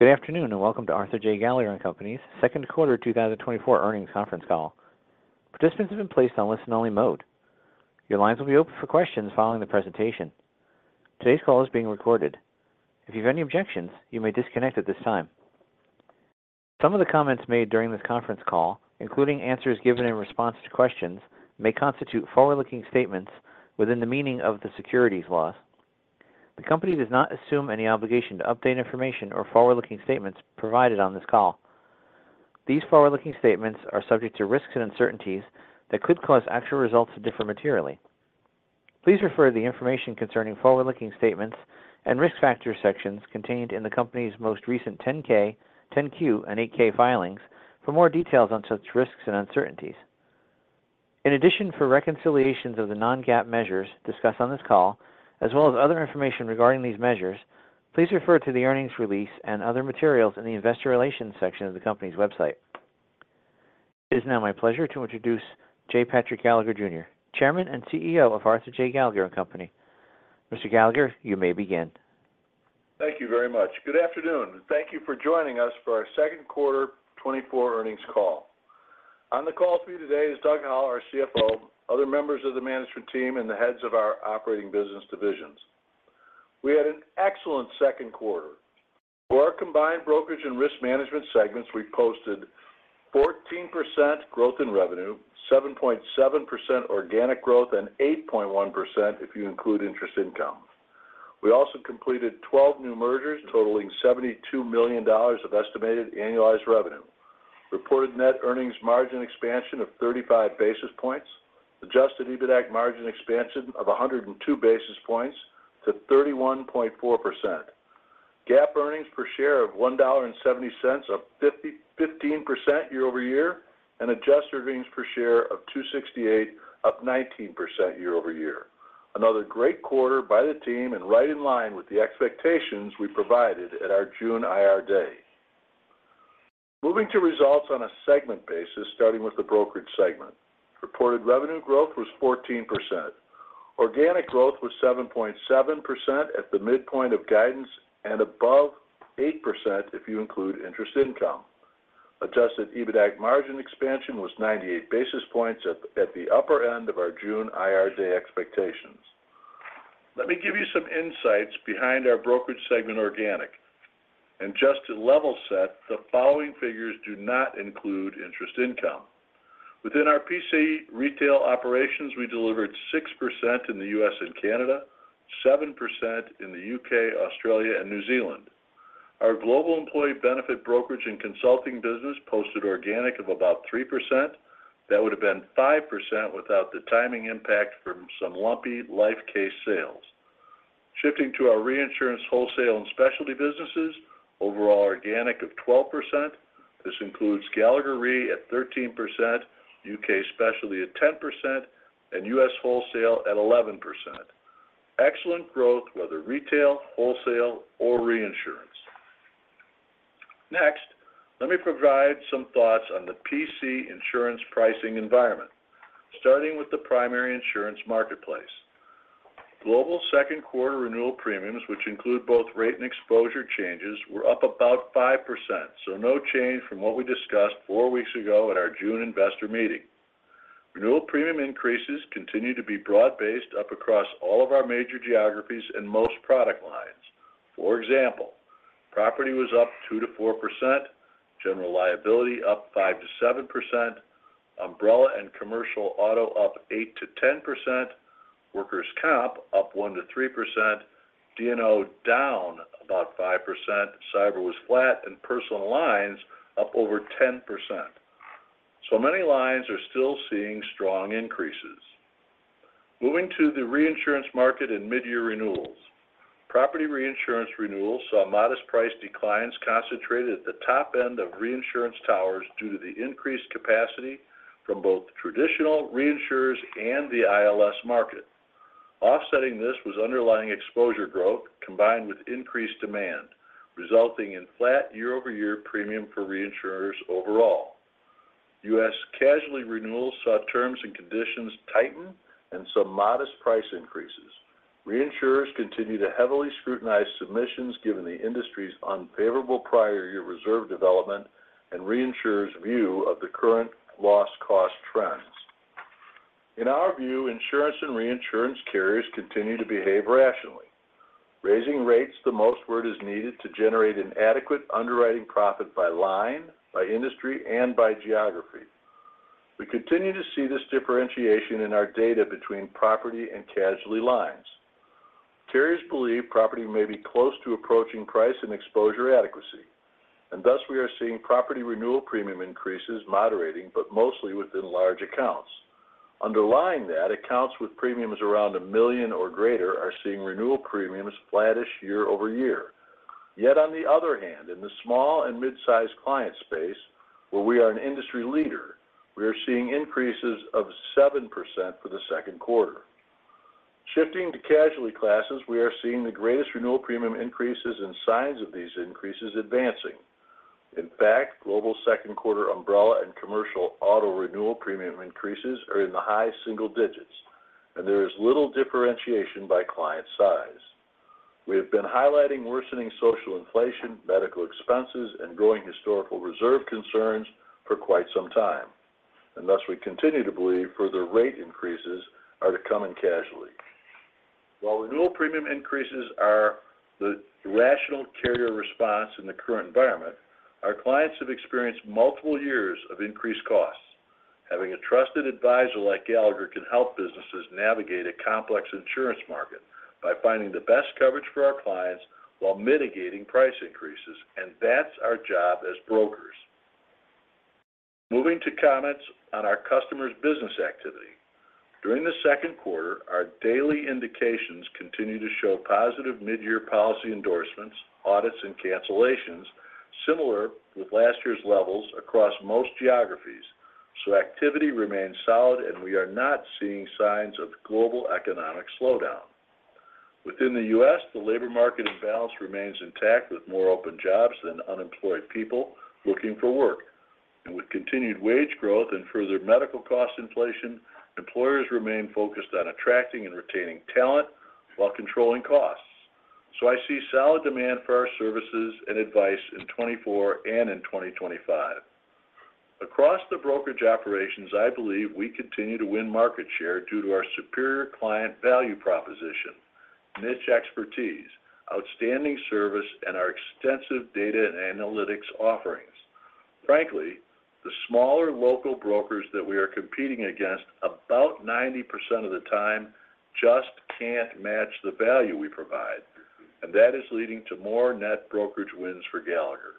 Good afternoon, and welcome to Arthur J. Gallagher & Company's second quarter 2024 earnings conference call. Participants have been placed on listen-only mode. Your lines will be open for questions following the presentation. Today's call is being recorded. If you have any objections, you may disconnect at this time. Some of the comments made during this conference call, including answers given in response to questions, may constitute forward-looking statements within the meaning of the securities laws. The Company does not assume any obligation to update information or forward-looking statements provided on this call. These forward-looking statements are subject to risks and uncertainties that could cause actual results to differ materially. Please refer the information concerning forward-looking statements and risk factors sections contained in the Company's most recent 10-K, 10-Q, and 8-K filings for more details on such risks and uncertainties. In addition, for reconciliations of the non-GAAP measures discussed on this call, as well as other information regarding these measures, please refer to the earnings release and other materials in the Investor Relations section of the Company's website. It is now my pleasure to introduce J. Patrick Gallagher, Jr., Chairman and CEO of Arthur J. Gallagher & Company. Mr. Gallagher, you may begin. Thank you very much. Good afternoon, and thank you for joining us for our second quarter 2024 earnings call. On the call for you today is Doug Howell, our CFO, other members of the management team, and the heads of our operating business divisions. We had an excellent second quarter. For our combined Brokerage and Risk Management segments, we posted 14% growth in revenue, 7.7% organic growth, and 8.1% if you include interest income. We also completed 12 new mergers, totaling $72 million of estimated annualized revenue. Reported net earnings margin expansion of 35 basis points. Adjusted EBITDAC margin expansion of 102 basis points to 31.4%. GAAP earnings per share of $1.70, up 15% year-over-year, and adjusted earnings per share of $2.68, up 19% year-over-year. Another great quarter by the team and right in line with the expectations we provided at our June IR Day. Moving to results on a segment basis, starting with the Brokerage segment. Reported revenue growth was 14%. Organic growth was 7.7% at the midpoint of guidance and above 8% if you include interest income. Adjusted EBITDAC margin expansion was 98 basis points at the upper end of our June IR Day expectations. Let me give you some insights behind our Brokerage segment organic. Just to level set, the following figures do not include interest income. Within our P&C retail operations, we delivered 6% in the U.S. and Canada, 7% in the U.K., Australia, and New Zealand. Our global employee benefit brokerage and consulting business posted organic of about 3%. That would have been 5% without the timing impact from some lumpy life case sales. Shifting to our reinsurance, wholesale, and specialty businesses, overall organic of 12%. This includes Gallagher Re at 13%, U.K. Specialty at 10%, and U.S. Wholesale at 11%. Excellent growth, whether retail, wholesale, or reinsurance. Next, let me provide some thoughts on the P&C insurance pricing environment, starting with the primary insurance marketplace. Global second quarter renewal premiums, which include both rate and exposure changes, were up about 5%, so no change from what we discussed four weeks ago at our June investor meeting. Renewal premium increases continue to be broad-based, up across all of our major geographies and most product lines. For example, property was up 2%-4%, general liability up 5%-7%, umbrella and commercial auto up 8%-10%, workers' comp up 1%-3%, D&O down about 5%, cyber was flat, and personal lines up over 10%. So many lines are still seeing strong increases. Moving to the reinsurance market and mid-year renewals. Property reinsurance renewals saw modest price declines concentrated at the top end of reinsurance towers due to the increased capacity from both traditional reinsurers and the ILS market. Offsetting this was underlying exposure growth, combined with increased demand, resulting in flat year-over-year premium for reinsurers overall. U.S. casualty renewals saw terms and conditions tighten and some modest price increases. Reinsurers continue to heavily scrutinize submissions, given the industry's unfavorable prior year reserve development and reinsurers' view of the current loss cost trends. In our view, insurance and reinsurance carriers continue to behave rationally, raising rates the most where it is needed to generate an adequate underwriting profit by line, by industry, and by geography. We continue to see this differentiation in our data between property and casualty lines. Carriers believe property may be close to approaching price and exposure adequacy, and thus we are seeing property renewal premium increases moderating, but mostly within large accounts. Underlying that, accounts with premiums around 1 million or greater are seeing renewal premiums flattish year-over-year. Yet, on the other hand, in the small and mid-sized client space, where we are an industry leader, we are seeing increases of 7% for the second quarter. Shifting to casualty classes, we are seeing the greatest renewal premium increases in signs of these increases advancing. In fact, global second quarter umbrella and commercial auto renewal premium increases are in the high single digits, and there is little differentiation by client size. We have been highlighting worsening social inflation, medical expenses, and growing historical reserve concerns for quite some time, and thus we continue to believe further rate increases are to come in casualty. While renewal premium increases are the rational carrier response in the current environment, our clients have experienced multiple years of increased costs. Having a trusted advisor like Gallagher can help businesses navigate a complex insurance market by finding the best coverage for our clients while mitigating price increases, and that's our job as brokers. Moving to comments on our customers' business activity. During the second quarter, our daily indications continued to show positive midyear policy endorsements, audits, and cancellations, similar with last year's levels across most geographies. So activity remains solid, and we are not seeing signs of global economic slowdown. Within the U.S., the labor market imbalance remains intact, with more open jobs than unemployed people looking for work. And with continued wage growth and further medical cost inflation, employers remain focused on attracting and retaining talent while controlling costs. So I see solid demand for our services and advice in 2024 and in 2025. Across the Brokerage operations, I believe we continue to win market share due to our superior client value proposition, niche expertise, outstanding service, and our extensive data and analytics offerings. Frankly, the smaller local brokers that we are competing against, about 90% of the time, just can't match the value we provide, and that is leading to more net brokerage wins for Gallagher.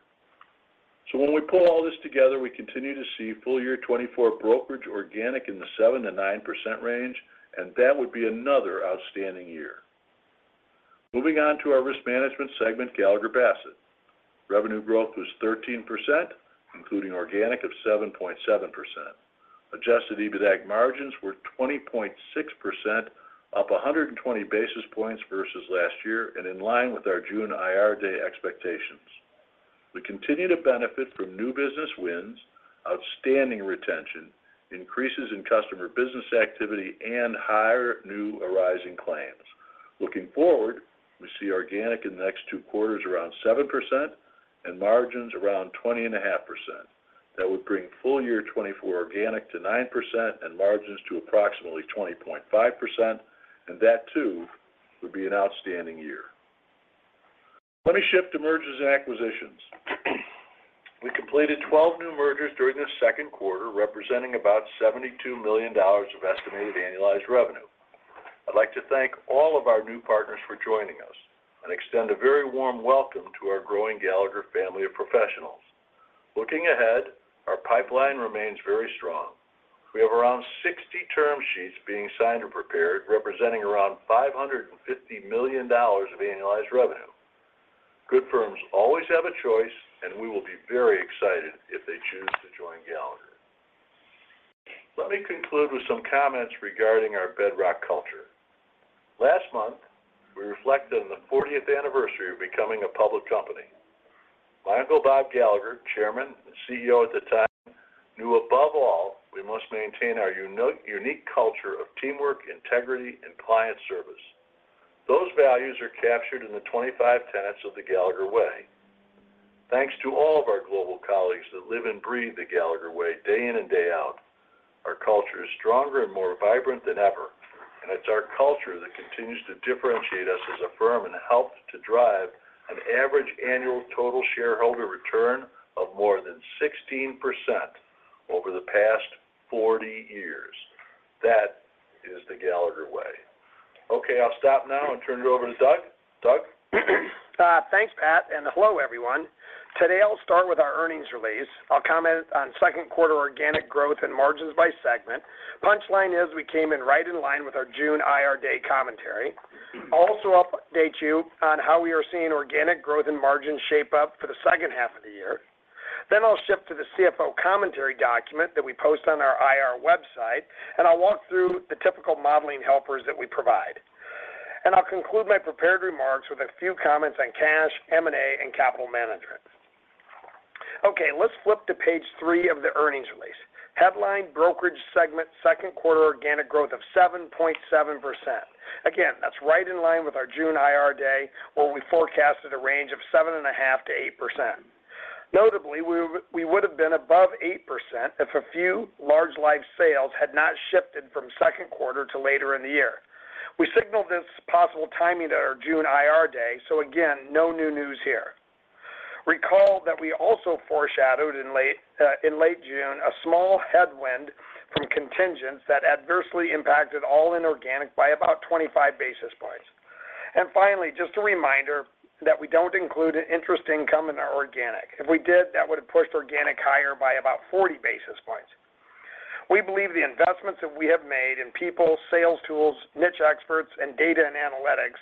So when we pull all this together, we continue to see full year 2024 Brokerage organic in the 7%-9% range, and that would be another outstanding year. Moving on to our Risk Management segment, Gallagher Bassett. Revenue growth was 13%, including organic of 7.7%. Adjusted EBITDAC margins were 20.6%, up 120 basis points versus last year, and in line with our June IR Day expectations. We continue to benefit from new business wins, outstanding retention, increases in customer business activity, and higher new arising claims. Looking forward, we see organic in the next two quarters around 7% and margins around 20.5%. That would bring full year 2024 organic to 9% and margins to approximately 20.5%, and that, too, would be an outstanding year. Let me shift to mergers and acquisitions. We completed 12 new mergers during the second quarter, representing about $72 million of estimated annualized revenue. I'd like to thank all of our new partners for joining us and extend a very warm welcome to our growing Gallagher family of professionals. Looking ahead, our pipeline remains very strong. We have around 60 term sheets being signed or prepared, representing around $550 million of annualized revenue. Good firms always have a choice, and we will be very excited if they choose to join Gallagher. Let me conclude with some comments regarding our bedrock culture. Last month, we reflected on the 40th anniversary of becoming a public company. My uncle, Bob Gallagher, chairman and CEO at the time, knew above all, we must maintain our unique culture of teamwork, integrity, and client service. Those values are captured in the 25 tenets of the Gallagher Way. Thanks to all of our global colleagues that live and breathe the Gallagher Way day in and day out. Our culture is stronger and more vibrant than ever, and it's our culture that continues to differentiate us as a firm and help to drive an average annual total shareholder return of more than 16% over the past 40 years. That is the Gallagher Way. Okay, I'll stop now and turn it over to Doug. Doug? Thanks, Pat, and hello, everyone. Today, I'll start with our earnings release. I'll comment on second quarter organic growth and margins by segment. Punchline is we came in right in line with our June IR Day commentary. Also, I'll update you on how we are seeing organic growth and margins shape up for the second half of the year. I'll shift to the CFO commentary document that we post on our IR website, and I'll walk through the typical modeling helpers that we provide. I'll conclude my prepared remarks with a few comments on cash, M&A, and capital management. Okay, let's flip to page 3 of the earnings release. Headline: Brokerage segment second quarter organic growth of 7.7%. Again, that's right in line with our June IR Day, where we forecasted a range of 7.5%-8%. Notably, we would have been above 8% if a few large life sales had not shifted from second quarter to later in the year. We signaled this possible timing at our June IR Day, so again, no new news here. Recall that we also foreshadowed in late, in late June, a small headwind from contingents that adversely impacted all inorganic by about 25 basis points. And finally, just a reminder that we don't include interest income in our organic. If we did, that would have pushed organic higher by about 40 basis points. We believe the investments that we have made in people, sales tools, niche experts, and data and analytics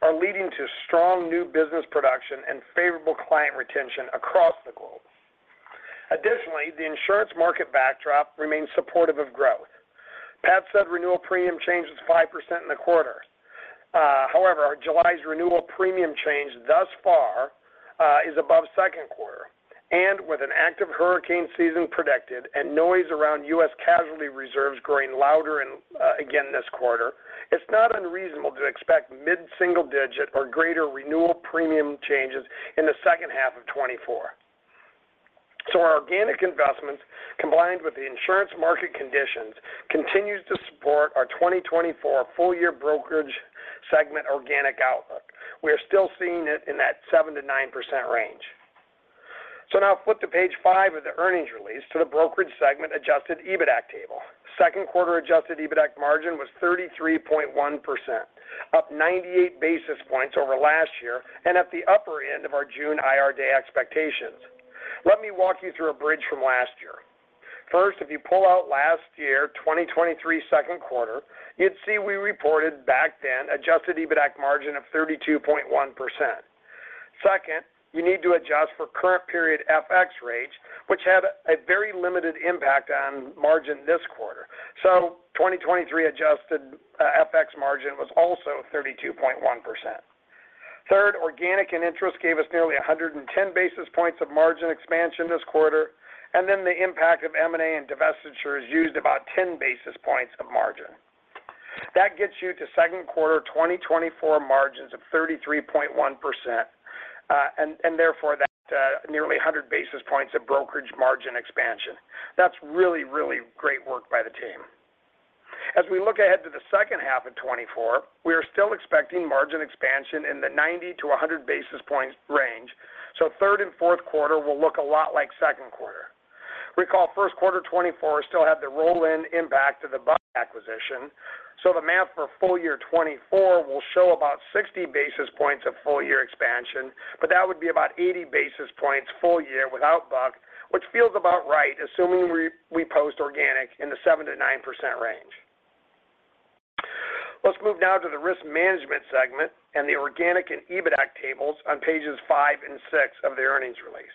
are leading to strong new business production and favorable client retention across the globe. Additionally, the insurance market backdrop remains supportive of growth. Pat said renewal premium change was 5% in the quarter. However, July's renewal premium change thus far is above second quarter. And with an active hurricane season predicted and noise around U.S. casualty reserves growing louder in, again this quarter, it's not unreasonable to expect mid-single digit or greater renewal premium changes in the second half of 2024. So our organic investments, combined with the insurance market conditions, continues to support our 2024 full-year Brokerage segment organic outlook. We are still seeing it in that 7%-9% range. So now flip to page 5 of the earnings release to the Brokerage segment adjusted EBITDAC table. Second quarter adjusted EBITDAC margin was 33.1%, up 98 basis points over last year, and at the upper end of our June IR Day expectations. Let me walk you through a bridge from last year. First, if you pull out last year, 2023, second quarter, you'd see we reported back then adjusted EBITDAC margin of 32.1%. Second, you need to adjust for current period FX rates, which had a very limited impact on margin this quarter. So 2023 adjusted FX margin was also 32.1%. Third, organic and interest gave us nearly 110 basis points of margin expansion this quarter, and then the impact of M&A and divestiture is used about 10 basis points of margin. That gets you to second quarter 2024 margins of 33.1%, and, and therefore, that, nearly 100 basis points of Brokerage margin expansion. That's really, really great work by the team. As we look ahead to the second half of 2024, we are still expecting margin expansion in the 90-100 basis points range, so third and fourth quarter will look a lot like second quarter. Recall, first quarter 2024 still had the roll-in impact of the Buck acquisition, so the math for full year 2024 will show about 60 basis points of full-year expansion, but that would be about 80 basis points full year without Buck, which feels about right, assuming we post organic in the 7%-9% range. Let's move now to the Risk Management segment and the organic and EBITDAC tables on pages 5 and 6 of the earnings release.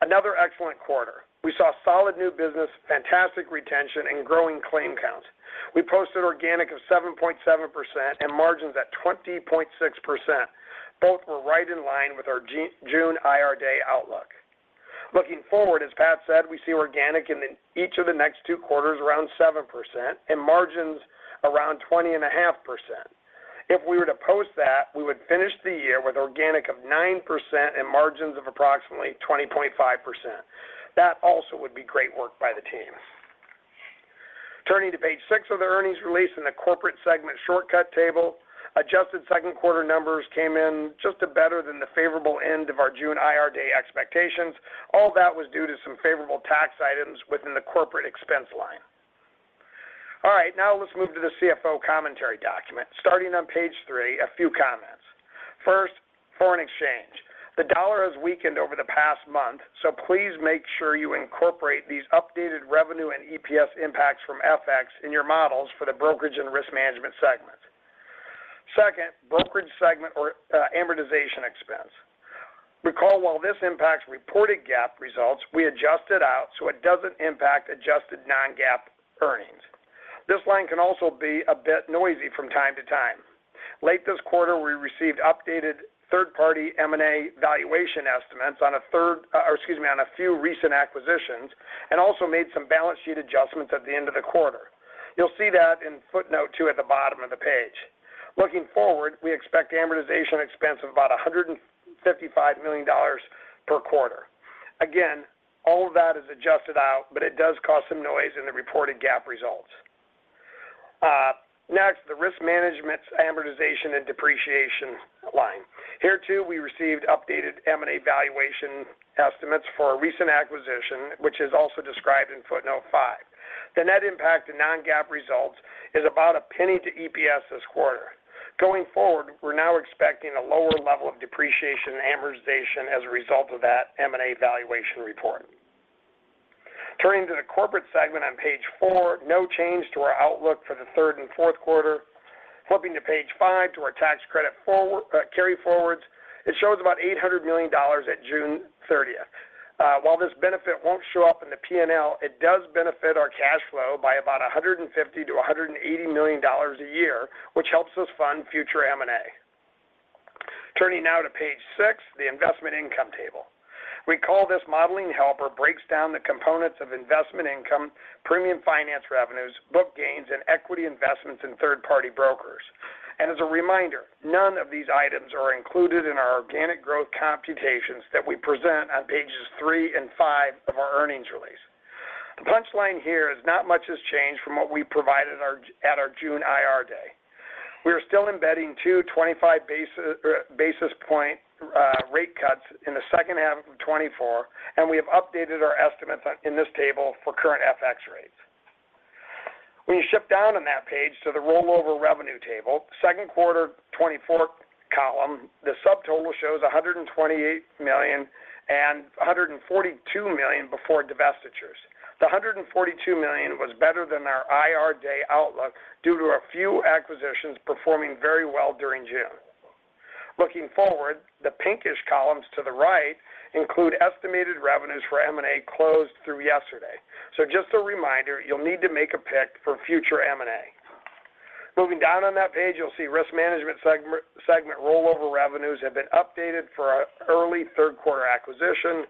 Another excellent quarter. We saw solid new business, fantastic retention, and growing claim count. We posted organic of 7.7% and margins at 20.6%. Both were right in line with our Q2 June IR Day outlook. Looking forward, as Pat said, we see organic in each of the next two quarters around 7% and margins around 20.5%. If we were to post that, we would finish the year with organic of 9% and margins of approximately 20.5%. That also would be great work by the team. Turning to page 6 of the earnings release in the Corporate segment shortcut table, adjusted second quarter numbers came in just a better than the favorable end of our June IR Day expectations. All that was due to some favorable tax items within the Corporate expense line. All right, now let's move to the CFO commentary document. Starting on page 3, a few comments. First, foreign exchange. The dollar has weakened over the past month, so please make sure you incorporate these updated revenue and EPS impacts from FX in your models for the Brokerage and Risk Management segments. Second, Brokerage segment or, amortization expense. Recall, while this impacts reported GAAP results, we adjust it out so it doesn't impact adjusted non-GAAP earnings. This line can also be a bit noisy from time to time. Late this quarter, we received updated third-party M&A valuation estimates on a third, excuse me, on a few recent acquisitions, and also made some balance sheet adjustments at the end of the quarter. You'll see that in footnote 2 at the bottom of the page. Looking forward, we expect amortization expense of about $155 million per quarter. Again, all of that is adjusted out, but it does cause some noise in the reported GAAP results. Next, the Risk Management's amortization and depreciation line. Here, too, we received updated M&A valuation estimates for a recent acquisition, which is also described in footnote 5. The net impact to non-GAAP results is about $0.01 to EPS this quarter. Going forward, we're now expecting a lower level of depreciation and amortization as a result of that M&A valuation report. Turning to the Corporate segment on page 4, no change to our outlook for the third and fourth quarter. Flipping to page 5, to our tax credit forward, carry forwards, it shows about $800 million at June 30th. While this benefit won't show up in the P&L, it does benefit our cash flow by about $150 million-$180 million a year, which helps us fund future M&A. Turning now to page 6, the investment income table. We call this modeling helper, breaks down the components of investment income, premium finance revenues, book gains, and equity investments in third-party brokers. As a reminder, none of these items are included in our organic growth computations that we present on pages 3 and 5 of our earnings release. The punchline here is not much has changed from what we provided at our June IR Day. We are still embedding two 25 basis point rate cuts in the second half of 2024, and we have updated our estimates on, in this table for current FX rates. When you shift down on that page to the rollover revenue table, second quarter 2024 column, the subtotal shows $128 million and $142 million before divestitures. The $142 million was better than our IR Day outlook due to a few acquisitions performing very well during June. Looking forward, the pinkish columns to the right include estimated revenues for M&A closed through yesterday. So just a reminder, you'll need to make a pick for future M&A. Moving down on that page, you'll see Risk Management segment, segment rollover revenues have been updated for our early third quarter acquisition.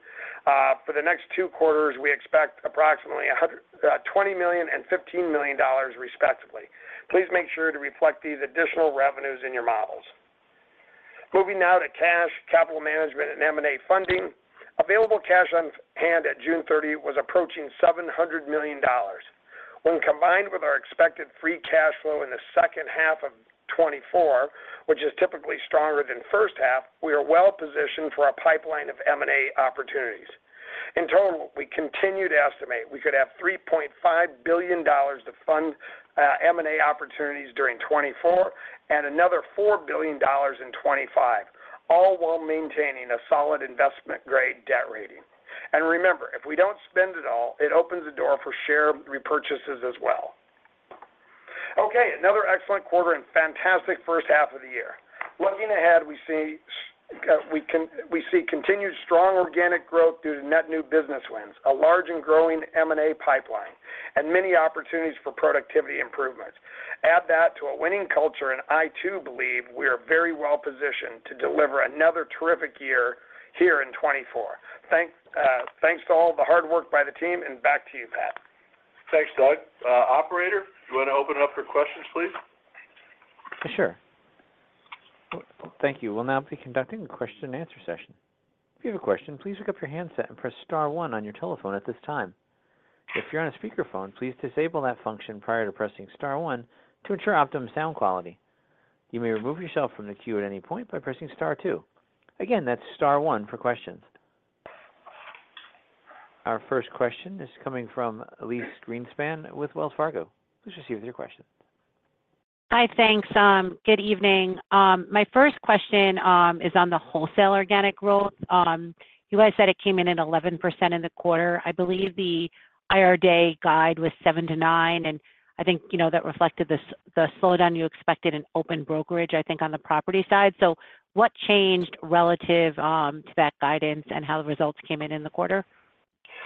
For the next two quarters, we expect approximately $120 million and $15 million, respectively. Please make sure to reflect these additional revenues in your models. Moving now to cash, capital management, and M&A funding. Available cash on hand at June 30th was approaching $700 million. When combined with our expected free cash flow in the second half of 2024, which is typically stronger than first half, we are well positioned for a pipeline of M&A opportunities. In total, we continue to estimate we could have $3.5 billion to fund M&A opportunities during 2024 and another $4 billion in 2025, all while maintaining a solid investment-grade debt rating. And remember, if we don't spend it all, it opens the door for share repurchases as well. Okay, another excellent quarter and fantastic first half of the year. Looking ahead, we see continued strong organic growth due to net new business wins, a large and growing M&A pipeline, and many opportunities for productivity improvements. Add that to a winning culture, and I, too, believe we are very well positioned to deliver another terrific year here in 2024. Thanks to all the hard work by the team and back to you, Pat. Thanks, Doug. Operator, do you want to open up for questions, please? Sure. Thank you. We'll now be conducting a question-and-answer session. If you have a question, please pick up your handset and press star one on your telephone at this time. If you're on a speakerphone, please disable that function prior to pressing star one to ensure optimum sound quality. You may remove yourself from the queue at any point by pressing star two. Again, that's star one for questions. Our first question is coming from Elyse Greenspan with Wells Fargo. Please proceed with your question. Hi, thanks. Good evening. My first question is on the wholesale organic growth. You guys said it came in at 11% in the quarter. I believe the IR Day guide was 7%-9%, and I think, you know, that reflected the slowdown you expected in open brokerage, I think, on the property side. So what changed relative to that guidance and how the results came in in the quarter?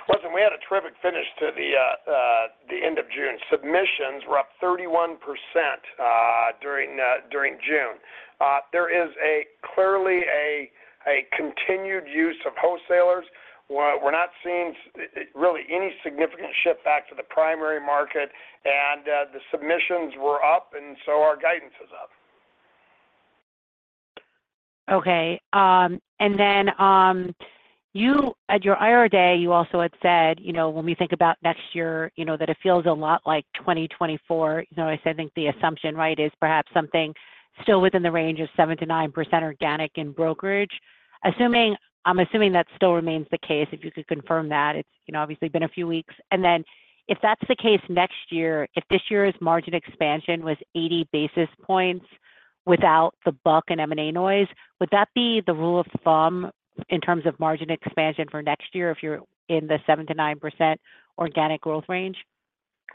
Well, then we had a terrific finish to the end of June. Submissions were up 31% during June. There is clearly a continued use of wholesalers. We're not seeing really any significant shift back to the primary market, and the submissions were up, and so our guidance is up. Okay. And then, you, at your IR Day, you also had said, you know, when we think about next year, you know, that it feels a lot like 2024. You know, I said, I think the assumption, right, is perhaps something still within the range of 7%-9% organic in brokerage. Assuming, I'm assuming that still remains the case, if you could confirm that. It's, you know, obviously been a few weeks. And then if that's the case next year, if this year's margin expansion was 80 basis points without the Buck and M&A noise, would that be the rule of thumb in terms of margin expansion for next year if you're in the 7%-9% organic growth range?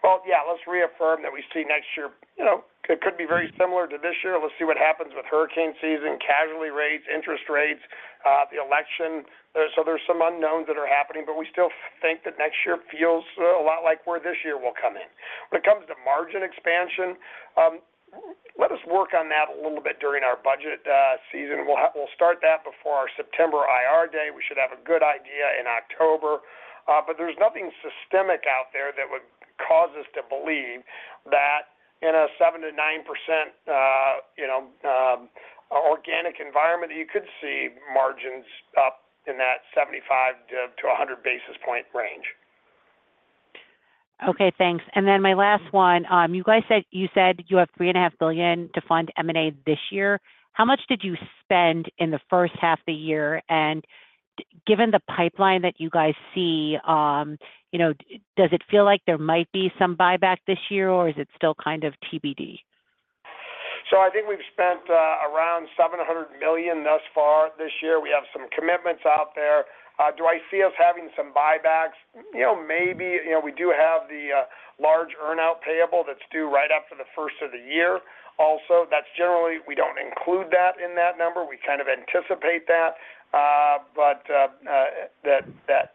Well, yeah, let's reaffirm that we see next year, you know, it could be very similar to this year. Let's see what happens with hurricane season, casualty rates, interest rates, the election. So there's some unknowns that are happening, but we still think that next year feels a lot like where this year will come in. When it comes to margin expansion, let us work on that a little bit during our budget season. We'll start that before our September IR Day. We should have a good idea in October, but there's nothing systemic out there that would cause us to believe that in a 7%-9% organic environment, you could see margins up in that 75-100 basis point range. Okay, thanks. Then my last one, you guys said, you said you have $3.5 billion to fund M&A this year. How much did you spend in the first half of the year? And given the pipeline that you guys see, you know, does it feel like there might be some buyback this year, or is it still kind of TBD? So I think we've spent around $700 million thus far this year. We have some commitments out there. Do I see us having some buybacks? You know, maybe. You know, we do have the large earnout payable that's due right up for the first of the year. Also, that's generally, we don't include that in that number. We kind of anticipate that, but that.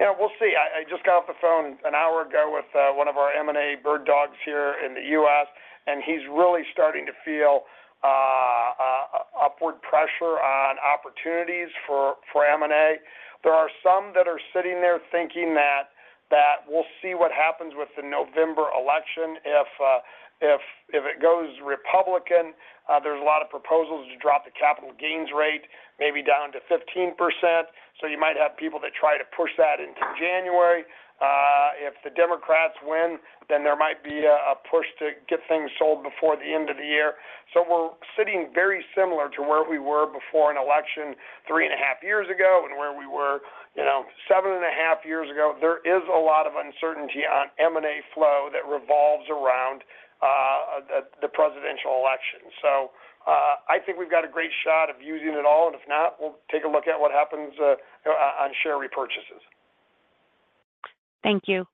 You know, we'll see. I just got off the phone an hour ago with one of our M&A bird dogs here in the U.S., and he's really starting to feel upward pressure on opportunities for M&A. There are some that are sitting there thinking that we'll see what happens with the November election. If it goes Republican, there's a lot of proposals to drop the capital gains rate, maybe down to 15%. So you might have people that try to push that into January. If the Democrats win, then there might be a push to get things sold before the end of the year. So we're sitting very similar to where we were before an election three and a half years ago and where we were, you know, seven and a half years ago. There is a lot of uncertainty on M&A flow that revolves around the presidential election. So I think we've got a great shot of using it all, and if not, we'll take a look at what happens on share repurchases. Thank you.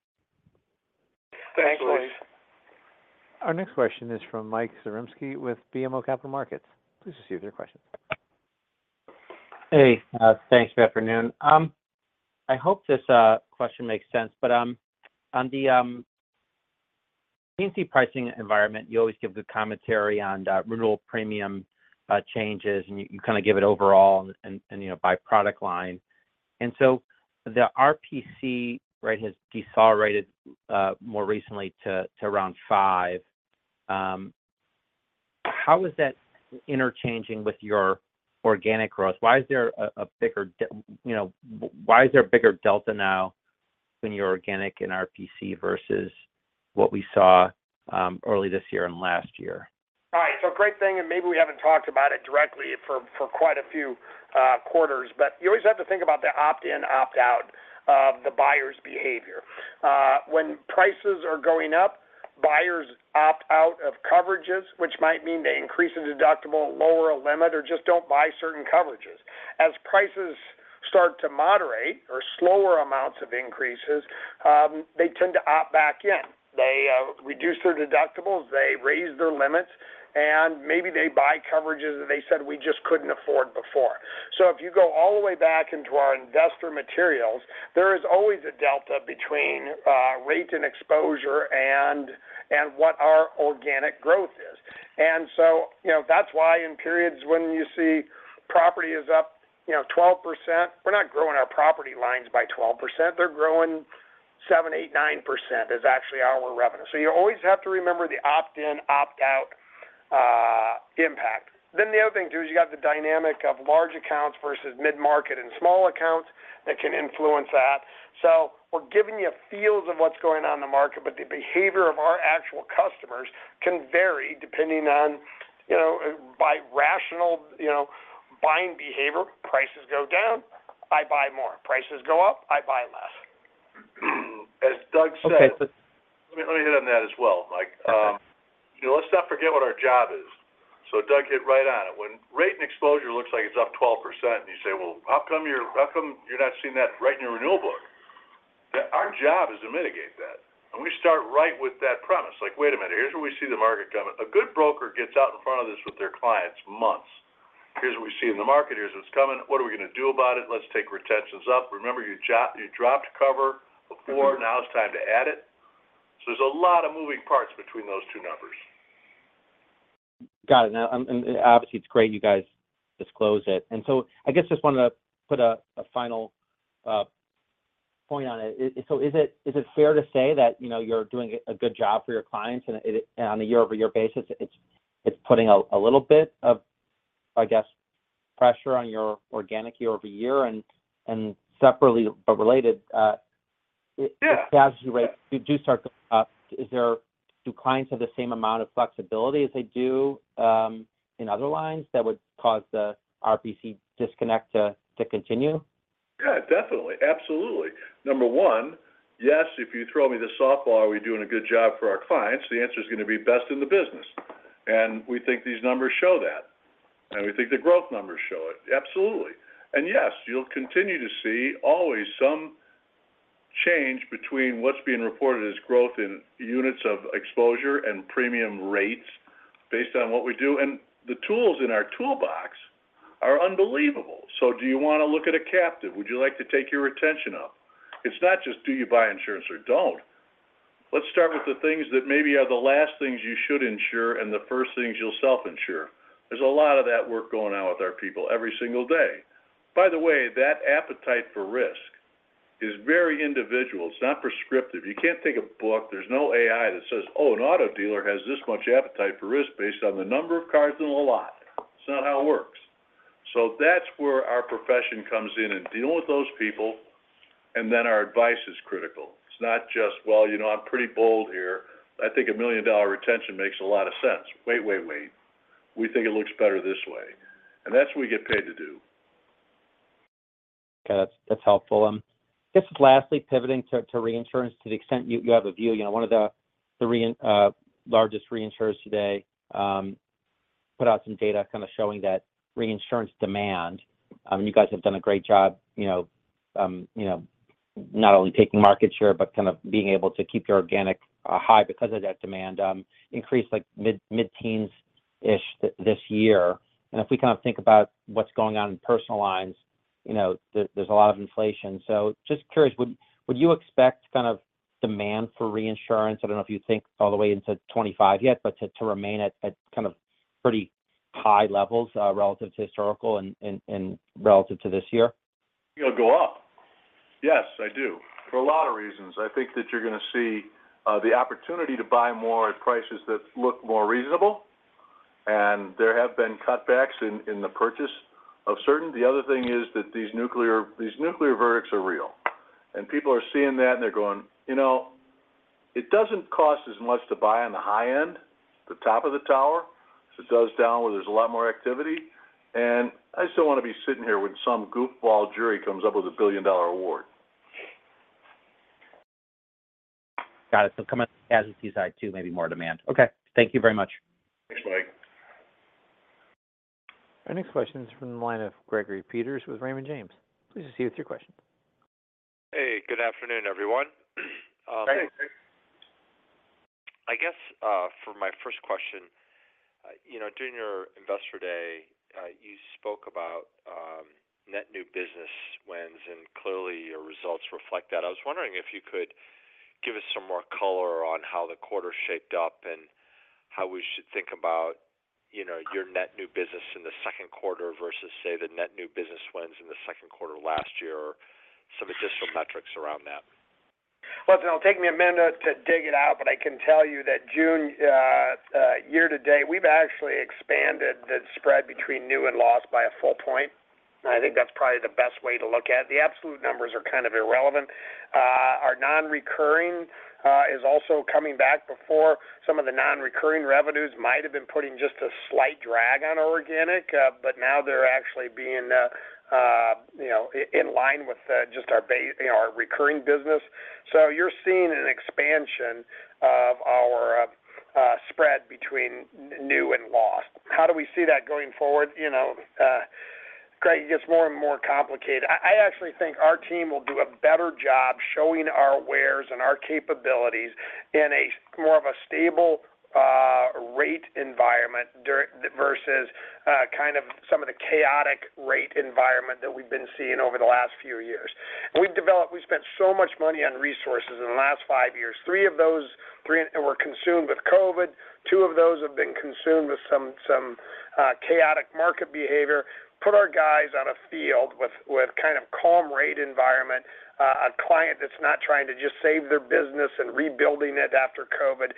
Thanks. Our next question is from Mike Zaremski with BMO Capital Markets. Please proceed with your questions. Hey, thanks. Good afternoon. I hope this question makes sense, but on the P&C pricing environment, you always give good commentary on the renewal premium changes, and you kind of give it overall and, you know, by product line. And so the RPC rate has decelerated more recently to around 5%. How is that interchanging with your organic growth? Why is there a bigger delta now in your organic and RPC versus what we saw early this year and last year? All right. So great thing, and maybe we haven't talked about it directly for quite a few quarters, but you always have to think about the opt-in, opt-out of the buyer's behavior. When prices are going up, buyers opt out of coverages, which might mean they increase the deductible, lower a limit, or just don't buy certain coverages. As prices start to moderate or slower amounts of increases, they tend to opt back in. They reduce their deductibles, they raise their limits, and maybe they buy coverages that they said we just couldn't afford before. So if you go all the way back into our investor materials, there is always a delta between rate and exposure and what our organic growth is. So, you know, that's why in periods when you see property is up, you know, 12%, we're not growing our property lines by 12%. They're growing 7%, 8%, 9%, is actually our revenue. So you always have to remember the opt-in, opt-out impact. Then the other thing, too, is you got the dynamic of large accounts versus mid-market and small accounts that can influence that. So we're giving you a feel of what's going on in the market, but the behavior of our actual customers can vary depending on, you know, by rational, you know, buying behavior. Prices go down, I buy more; prices go up, I buy less. Okay, but. As Doug said. Let me, let me hit on that as well, Mike. Okay. You know, let's not forget what our job is. So Doug hit right on it. When rate and exposure looks like it's up 12%, and you say, "Well, how come you're not seeing that right in your renewal book?" Our job is to mitigate that. And we start right with that premise. Like, wait a minute, here's where we see the market coming. A good broker gets out in front of this with their clients months. Here's what we see in the market. Here's what's coming. What are we going to do about it? Let's take retentions up. Remember, you dropped cover before. Now it's time to add it. So there's a lot of moving parts between those two numbers. Got it. Now, and obviously, it's great you guys disclose it. And so I guess just wanted to put a final point on it. So is it, is it fair to say that, you know, you're doing a good job for your clients, and it, on a year-over-year basis, it's putting a little bit of, I guess, pressure on your organic year-over-year? And separately, but related, Yeah. As you rate, you do start to, do clients have the same amount of flexibility as they do, in other lines that would cause the RPC disconnect to continue? Yeah, definitely. Absolutely. Number one, yes, if you throw me the softball, are we doing a good job for our clients? The answer is going to be best in the business. And we think these numbers show that, and we think the growth numbers show it. Absolutely. And yes, you'll continue to see always some change between what's being reported as growth in units of exposure and premium rates based on what we do. And the tools in our toolbox are unbelievable. So do you want to look at a captive? Would you like to take your retention up? It's not just do you buy insurance or don't. Let's start with the things that maybe are the last things you should insure and the first things you'll self-insure. There's a lot of that work going on with our people every single day. By the way, that appetite for risk is very individual. It's not prescriptive. You can't take a book. There's no AI that says, "Oh, an auto dealer has this much appetite for risk based on the number of cars in a lot." It's not how it works. So that's where our profession comes in, in dealing with those people, and then our advice is critical. It's not just, "Well, you know, I'm pretty bold here. I think a million-dollar retention makes a lot of sense." "Wait, wait, wait. We think it looks better this way." And that's what we get paid to do. Okay. That's, that's helpful. Just lastly, pivoting to reinsurance, to the extent you have a view. You know, one of the largest reinsurers today put out some data kind of showing that reinsurance demand. You guys have done a great job, you know, not only taking market share, but kind of being able to keep your organic high because of that demand increase like mid-teens-ish this year. And if we kind of think about what's going on in personal lines, you know, there's a lot of inflation. So just curious, would you expect kind of demand for reinsurance, I don't know if you think all the way into 25 yet, but to remain at kind of pretty high levels relative to historical and relative to this year? It'll go up. Yes, I do, for a lot of reasons. I think that you're going to see the opportunity to buy more at prices that look more reasonable, and there have been cutbacks in the purchase of certain. The other thing is that these nuclear verdicts are real, and people are seeing that, and they're going: You know, it doesn't cost as much to buy on the high end, the top of the tower, as it does down where there's a lot more activity, and I just don't want to be sitting here when some goofball jury comes up with a billion-dollar award. Got it. So coming as we decide to, maybe more demand. Okay. Thank you very much. Thanks, Mike. Our next question is from the line of Gregory Peters with Raymond James. Please proceed with your question. Hey, good afternoon, everyone. Hey, Greg. I guess, for my first question, you know, during your Investor Day, you spoke about net new business wins, and clearly, your results reflect that. I was wondering if you could give us some more color on how the quarter shaped up, and how we should think about, you know, your net new business in the second quarter versus, say, the net new business wins in the second quarter last year, or some additional metrics around that. Well, it'll take me a minute to dig it out, but I can tell you that June, year to date, we've actually expanded the spread between new and lost by a full point. I think that's probably the best way to look at it. The absolute numbers are kind of irrelevant. Our non-recurring is also coming back before some of the non-recurring revenues might have been putting just a slight drag on organic, but now they're actually being, you know, in line with just our base, our recurring business. So you're seeing an expansion of our spread between new and lost. How do we see that going forward? You know, Greg, it gets more and more complicated. I actually think our team will do a better job showing our wares and our capabilities in more of a stable rate environment versus kind of some of the chaotic rate environment that we've been seeing over the last few years. We spent so much money on resources in the last 5 years. Three of those, three were consumed with COVID, two of those have been consumed with some chaotic market behavior. Put our guys on a field with kind of calm rate environment, a client that's not trying to just save their business and rebuilding it after COVID,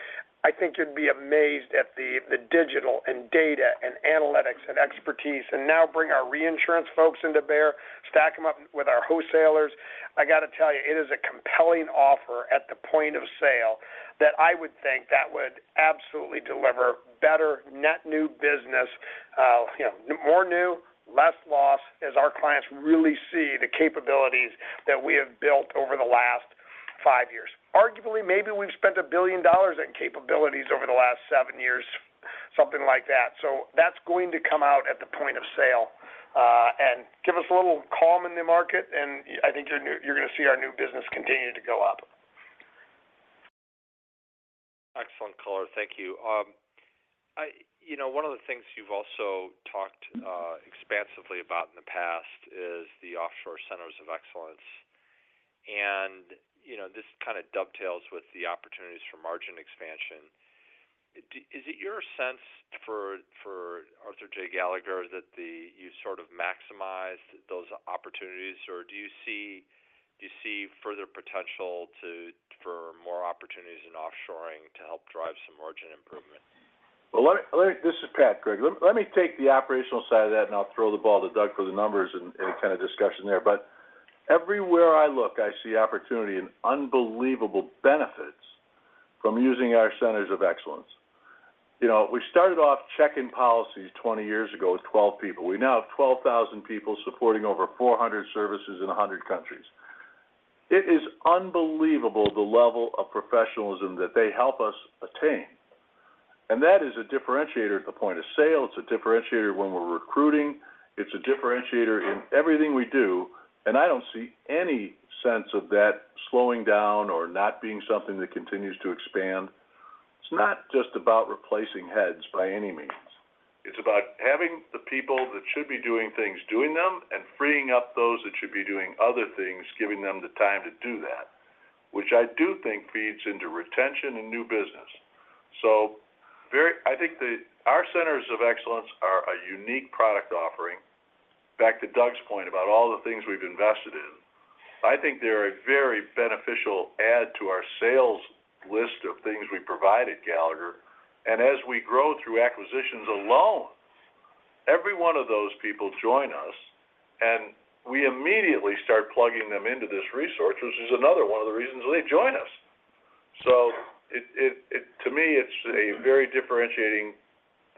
I think you'd be amazed at the digital and data and analytics and expertise, and now bring our reinsurance folks to bear, stack them up with our wholesalers. I got to tell you, it is a compelling offer at the point of sale that I would think that would absolutely deliver better net new business, you know, more new, less loss, as our clients really see the capabilities that we have built over the last 5 years. Arguably, maybe we've spent $1 billion in capabilities over the last 7 years, something like that. So that's going to come out at the point of sale, and give us a little calm in the market, and I think you're going to see our new business continue to go up. Excellent color. Thank you. You know, one of the things you've also talked expansively about in the past is the offshore centers of excellence. And, you know, this kind of dovetails with the opportunities for margin expansion. Is it your sense for, for Arthur J. Gallagher, that you sort of maximize those opportunities, or do you see further potential to, for more opportunities in offshoring to help drive some margin improvement? Well, let me, this is Pat, Greg. Let, let me take the operational side of that, and I'll throw the ball to Doug for the numbers and, and kind of discussion there. But everywhere I look, I see opportunity and unbelievable benefits from using our centers of excellence. You know, we started off checking policies 20 years ago with 12 people. We now have 12,000 people supporting over 400 services in 100 countries. It is unbelievable the level of professionalism that they help us attain, and that is a differentiator at the point of sale. It's a differentiator when we're recruiting. It's a differentiator in everything we do, and I don't see any sense of that slowing down or not being something that continues to expand. It's not just about replacing heads by any means. It's about having the people that should be doing things, doing them, and freeing up those that should be doing other things, giving them the time to do that, which I do think feeds into retention and new business. So I think our centers of excellence are a unique product offering. Back to Doug's point about all the things we've invested in, I think they're a very beneficial add to our sales list of things we provide at Gallagher, and as we grow through acquisitions alone, every one of those people join us, and we immediately start plugging them into this resource, which is another one of the reasons they join us. So to me, it's a very differentiating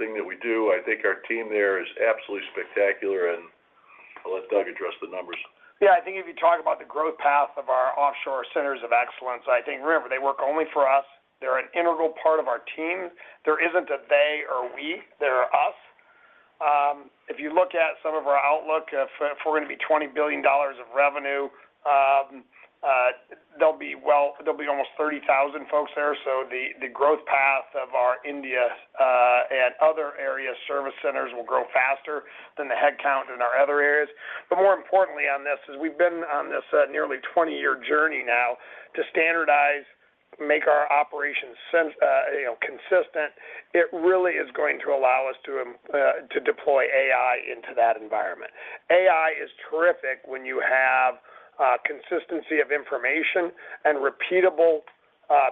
thing that we do. I think our team there is absolutely spectacular, and I'll let Doug address the numbers. Yeah, I think if you talk about the growth path of our offshore centers of excellence, I think, remember, they work only for us. They're an integral part of our team. There isn't a they or we, they're us. If you look at some of our outlook, if we're going to be $20 billion of revenue, there'll be, well, there'll be almost 30,000 folks there. So the growth path of our India and other area service centers will grow faster than the headcount in our other areas. But more importantly on this, is we've been on this nearly 20-year journey now to standardize, make our operations, you know, consistent. It really is going to allow us to to deploy AI into that environment. AI is terrific when you have consistency of information and repeatable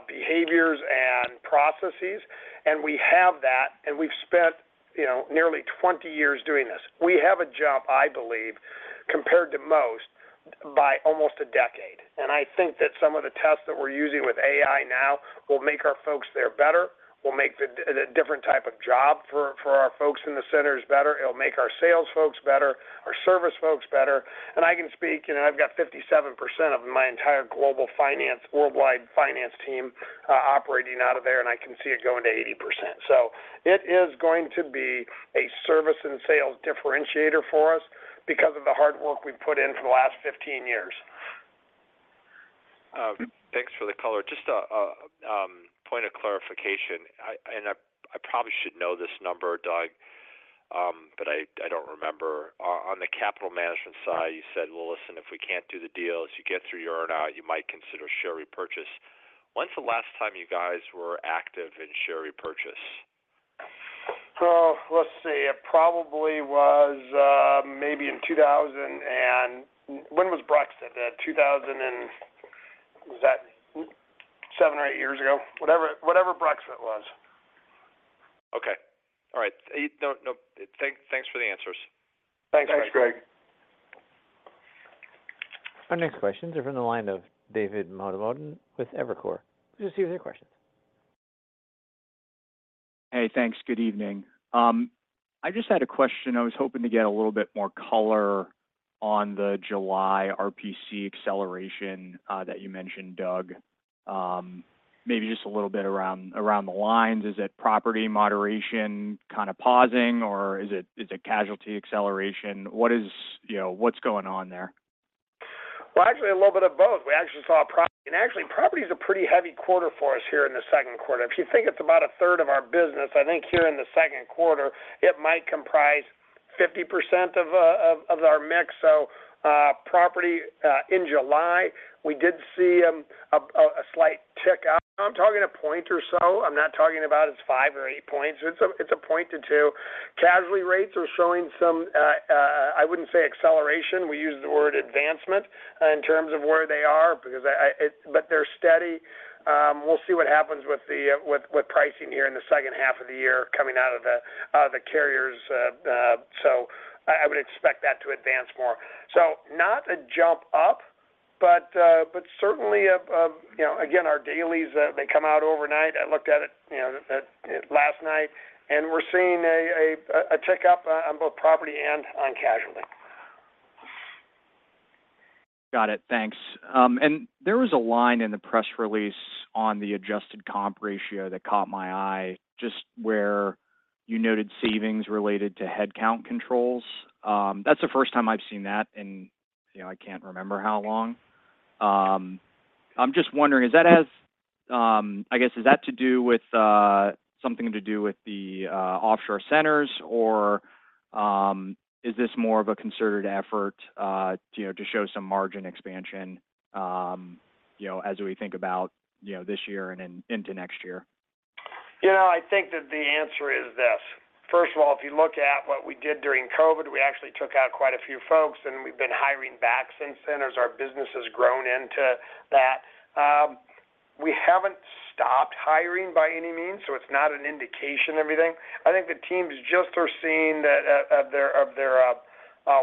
behaviors and processes, and we have that, and we've spent, you know, nearly 20 years doing this. We have a jump, I believe, compared to most, by almost a decade. And I think that some of the tests that we're using with AI now will make our folks there better, will make the different type of job for our folks in the centers better. It'll make our sales folks better, our service folks better. And I can speak, you know, I've got 57% of my entire global finance, worldwide finance team operating out of there, and I can see it going to 80%. So it is going to be a service and sales differentiator for us because of the hard work we've put in for the last 15 years. Thanks for the color. Just a point of clarification. I probably should know this number, Doug, but I don't remember. On the capital management side, you said, "Well, listen, if we can't do the deals, you get through earn-out, you might consider share repurchase." When's the last time you guys were active in share repurchase? So let's see. It probably was, maybe in 2000 and, when was Brexit? 2000 and. Was that 7 or 8 years ago? Whatever, whatever Brexit was. Okay. All right. You, no, no, thanks for the answers. Thanks, Greg. Our next questions are from the line of David Motemaden with Evercore. Please proceed with your questions. Hey, thanks. Good evening. I just had a question. I was hoping to get a little bit more color on the July RPC acceleration that you mentioned, Doug. Maybe just a little bit around the lines. Is it property moderation kind of pausing, or is it casualty acceleration? What is, you know, what's going on there? Well, actually, a little bit of both. We actually saw property, and actually, property is a pretty heavy quarter for us here in the second quarter. If you think it's about 1/3 of our business, I think here in the second quarter, it might comprise 50% of our mix. So, property, in July, we did see a slight tick up. I'm talking 1 point or so. I'm not talking about it's 5 or 8 points. It's 1 point to 2. Casualty rates are showing some I wouldn't say acceleration. We use the word advancement in terms of where they are, because but they're steady. We'll see what happens with pricing here in the second half of the year coming out of the carriers. So I would expect that to advance more. So not a jump up, but certainly, you know, again, our dailies, they come out overnight. I looked at it, you know, last night, and we're seeing a tick up on both property and casualty. Got it. Thanks. And there was a line in the press release on the adjusted comp ratio that caught my eye, just where you noted savings related to headcount controls. That's the first time I've seen that in, you know, I can't remember how long. I'm just wondering, is that, I guess, is that to do with something to do with the offshore centers, or is this more of a concerted effort, you know, to show some margin expansion, you know, as we think about, you know, this year and into next year? You know, I think that the answer is this: First of all, if you look at what we did during COVID, we actually took out quite a few folks, and we've been hiring back since then as our business has grown into that. We haven't stopped hiring by any means, so it's not an indication of anything. I think the teams just are seeing that of their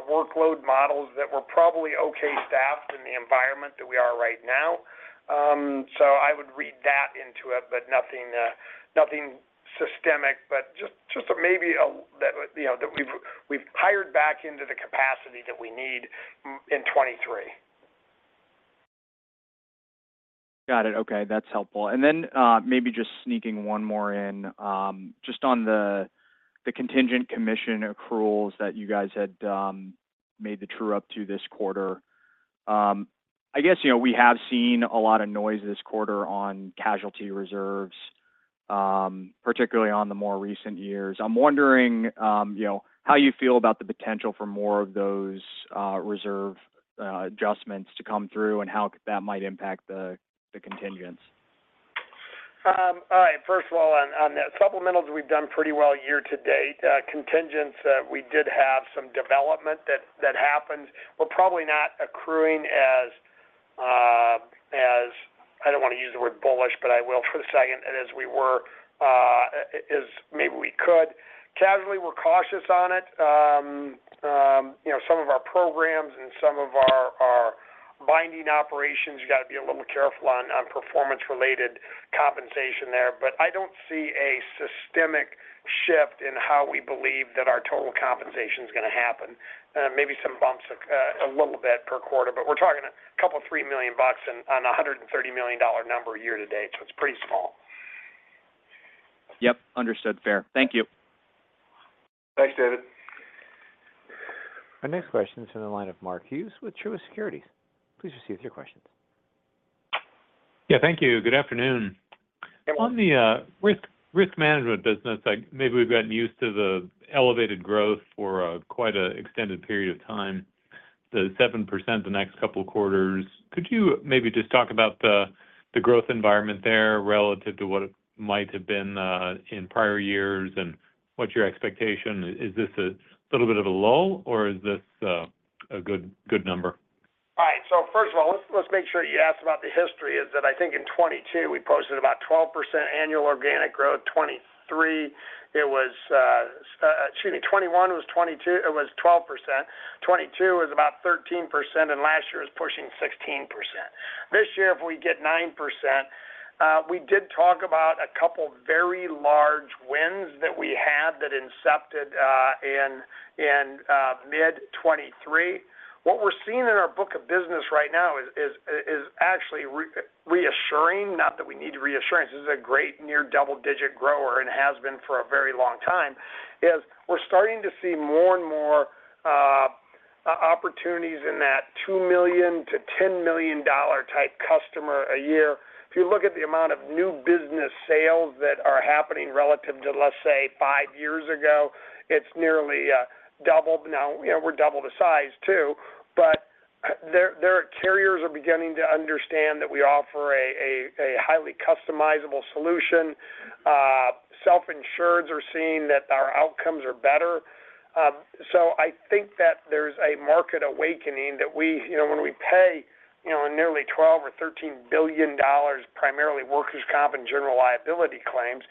workload models that we're probably okay staffed in the environment that we are right now. So I would read that into it, but nothing, nothing systemic, but just maybe a, a, you know, that we've hired back into the capacity that we need in 2023. Got it. Okay, that's helpful. And then, maybe just sneaking one more in. Just on the contingent commission accruals that you guys had made the true up to this quarter. I guess, you know, we have seen a lot of noise this quarter on casualty reserves, particularly on the more recent years. I'm wondering, you know, how you feel about the potential for more of those reserve adjustments to come through and how that might impact the contingents? All right. First of all, on the supplementals, we've done pretty well year to date. Contingents, we did have some development that happened. We're probably not accruing as, I don't want to use the word bullish, but I will for the second, as we were, as maybe we could. Casualty, we're cautious on it. You know, some of our programs and some of our binding operations, you got to be a little careful on performance-related compensation there. But I don't see a systemic shift in how we believe that our total compensation is going to happen. Maybe some bumps, a little bit per quarter, but we're talking a couple of $3 million on a $130 million number year to date, so it's pretty small. Yep. Understood. Fair. Thank you. Thanks, David. Our next question is from the line of Mark Hughes with Truist Securities. Please proceed with your questions. Yeah, thank you. Good afternoon. Hey, Mark. On the Risk Management business, like maybe we've gotten used to the elevated growth for quite an extended period of time, the 7% the next couple of quarters. Could you maybe just talk about the growth environment there relative to what it might have been in prior years, and what's your expectation? Is this a little bit of a lull, or is this a good number? All right. So first of all, let's make sure you ask about the history is that I think in 2022, we posted about 12% annual organic growth. 2023, it was, excuse me, 2021 was 22%, it was 12%. 2022 was about 13%, and last year was pushing 16%. This year, if we get 9%, we did talk about a couple of very large wins that we had that incepted in mid 2023. What we're seeing in our book of business right now is actually reassuring, not that we need reassurance. This is a great near double-digit grower and has been for a very long time, we're starting to see more and more opportunities in that $2 million-$10 million dollar type customer a year. If you look at the amount of new business sales that are happening relative to, let's say, 5 years ago, it's nearly doubled. Now, you know, we're double the size, too, but there are carriers beginning to understand that we offer a highly customizable solution. Self-insureds are seeing that our outcomes are better. So I think that there's a market awakening that we, you know, when we pay, you know, nearly $12 billion or $13 billion, primarily workers' comp and general liability claims,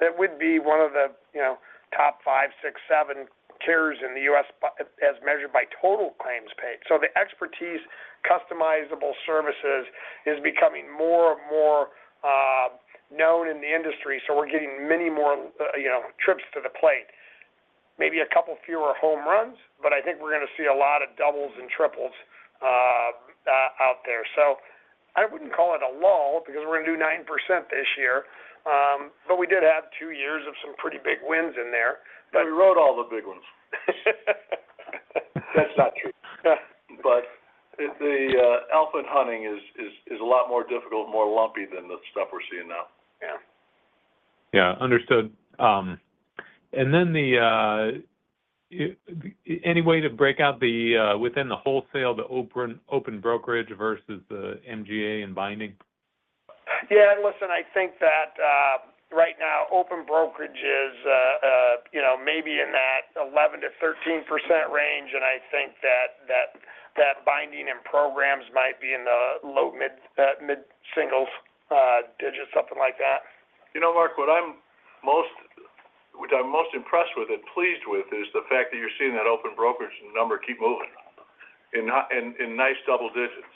that would be one of the, you know, top 5, 6, 7 carriers in the U.S., but as measured by total claims paid. So the expertise, customizable services is becoming more and more known in the industry, so we're getting many more, you know, trips to the plate. Maybe a couple fewer home runs, but I think we're gonna see a lot of doubles and triples out there. So I wouldn't call it a lull because we're gonna do 9% this year, but we did have two years of some pretty big wins in there. But we wrote all the big ones. That's not true. But the elephant hunting is a lot more difficult, more lumpy than the stuff we're seeing now. Yeah. Yeah, understood. And then any way to break out the within the wholesale, the open brokerage versus the MGA and binding? Yeah, listen, I think that right now, open brokerage is, you know, maybe in that 11%-13% range, and I think that binding and programs might be in the low to mid-single digits, something like that. You know, Mark, what I'm most, which I'm most impressed with and pleased with, is the fact that you're seeing that open brokerage number keep moving in not, in, in nice double digits.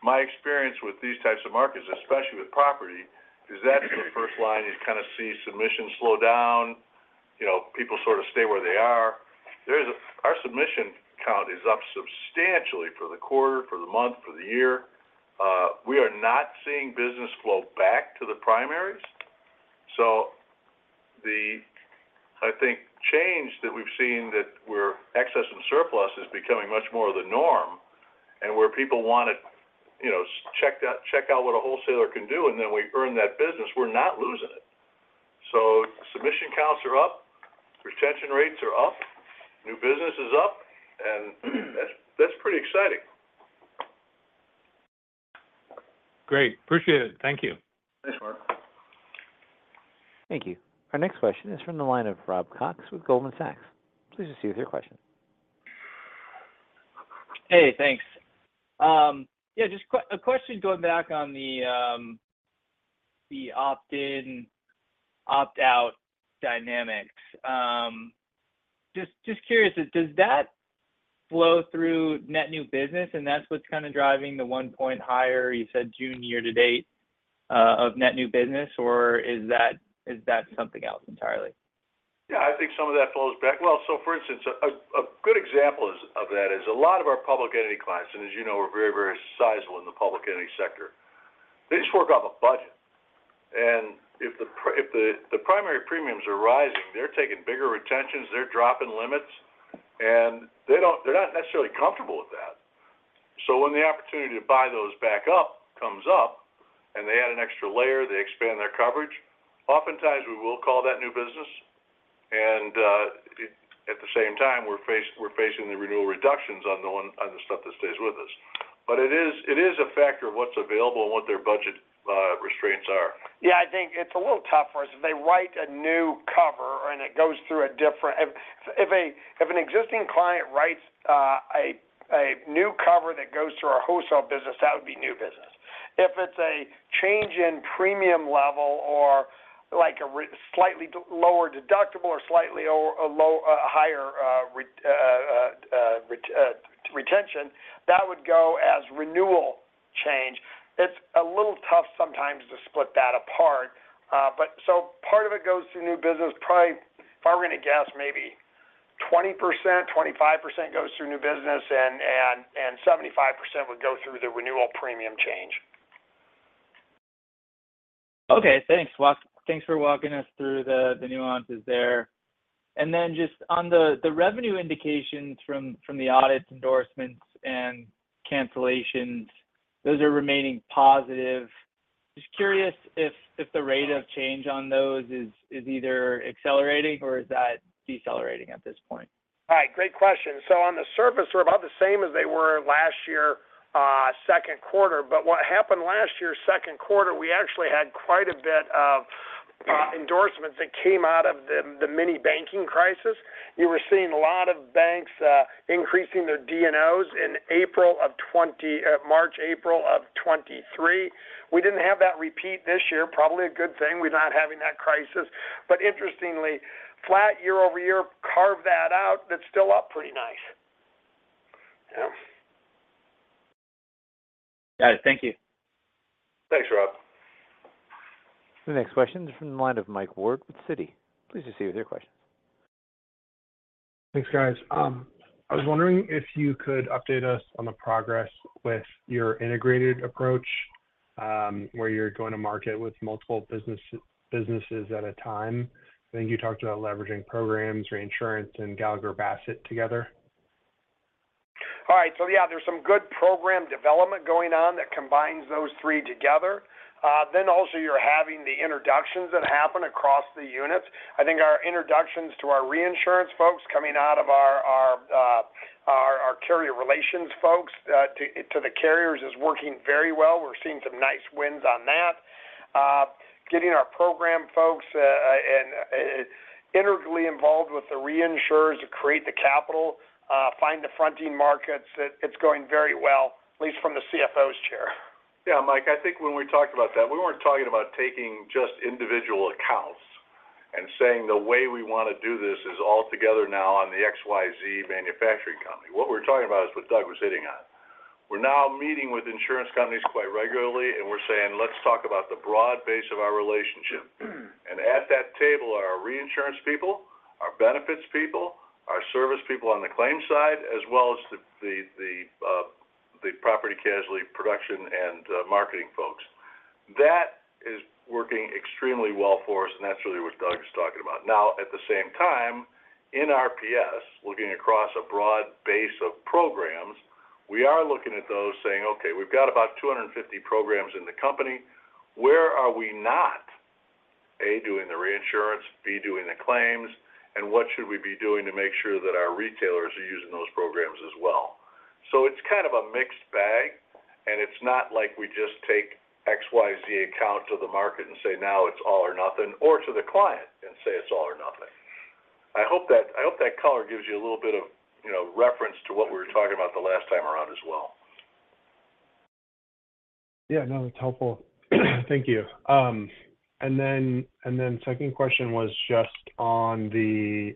My experience with these types of markets, especially with property, is that's the first line you kind of see submissions slow down, you know, people sort of stay where they are. Our submission count is up substantially for the quarter, for the month, for the year. We are not seeing business flow back to the primaries. So the, I think, change that we've seen, that we're excess and surplus is becoming much more the norm, and where people want to, you know, check out, check out what a wholesaler can do, and then we earn that business, we're not losing it. Submission counts are up, retention rates are up, new business is up, and that's, that's pretty exciting. Great. Appreciate it. Thank you. Thanks, Mark. Thank you. Our next question is from the line of Rob Cox with Goldman Sachs. Please proceed with your question. Hey, thanks. Yeah, just a question going back on the, the opt-in, opt-out dynamics. Just, just curious, does that flow through net new business, and that's what's kind of driving the 1 point higher, you said June year to date, of net new business, or is that, is that something else entirely? Yeah, I think some of that flows back. Well, so for instance, a good example is of that is a lot of our public entity clients, and as you know, we're very, very sizable in the public entity sector. They just work off a budget, and if the primary premiums are rising, they're taking bigger retentions, they're dropping limits, and they're not necessarily comfortable with that. So when the opportunity to buy those back up comes up and they add an extra layer, they expand their coverage, oftentimes, we will call that new business, and at the same time, we're facing the renewal reductions on the stuff that stays with us. But it is, it is a factor of what's available and what their budget restraints are. Yeah, I think it's a little tough for us. If an existing client writes a new cover that goes through our wholesale business, that would be new business. If it's a change in premium level or like, a slightly lower deductible or slightly higher retention, that would go as renewal change. It's a little tough sometimes to split that apart, but so part of it goes through new business, probably if I were going to guess, maybe 20%, 25% goes through new business, and 75% would go through the renewal premium change. Okay, thanks. Thanks for walking us through the, the nuances there. And then just on the, the revenue indications from, from the audits, endorsements, and cancellations, those are remaining positive. Just curious if, if the rate of change on those is, is either accelerating or is that decelerating at this point? All right. Great question. So on the surface, we're about the same as they were last year, second quarter. But what happened last year, second quarter, we actually had quite a bit of endorsements that came out of the, the mini banking crisis. We were seeing a lot of banks increasing their D&Os in April of 2023. March, April of 2023. We didn't have that repeat this year. Probably a good thing, we're not having that crisis. But interestingly, flat year-over-year, carve that out, that's still up pretty nice. Yeah. Got it. Thank you. Thanks, Rob. The next question is from the line of Mike Ward with Citi. Please proceed with your question. Thanks, guys. I was wondering if you could update us on the progress with your integrated approach? Where you're going to market with multiple business, businesses at a time? I think you talked about leveraging programs, reinsurance, and Gallagher Bassett together. All right. So yeah, there's some good program development going on that combines those three together. Then also you're having the introductions that happen across the units. I think our introductions to our reinsurance folks coming out of our carrier relations folks to the carriers is working very well. We're seeing some nice wins on that. Getting our program folks and integrally involved with the reinsurers to create the capital, find the fronting markets, it's going very well, at least from the CFO's chair. Yeah, Mike, I think when we talked about that, we weren't talking about taking just individual accounts and saying the way we want to do this is all together now on the XYZ manufacturing company. What we're talking about is what Doug was hitting on. We're now meeting with insurance companies quite regularly, and we're saying, "Let's talk about the broad base of our relationship." And at that table are our reinsurance people, our benefits people, our service people on the claims side, as well as the property, casualty, production, and marketing folks. That is working extremely well for us, and that's really what Doug is talking about. Now, at the same time, in RPS, looking across a broad base of programs, we are looking at those saying, "Okay, we've got about 250 programs in the company. Where are we not, A, doing the reinsurance, B, doing the claims, and what should we be doing to make sure that our retailers are using those programs as well?" So it's kind of a mixed bag, and it's not like we just take XYZ account to the market and say, "Now it's all or nothing," or to the client and say, "It's all or nothing." I hope that color gives you a little bit of, you know, reference to what we were talking about the last time around as well. Yeah, no, that's helpful. Thank you. And then second question was just on the